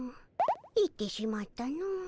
行ってしまったの。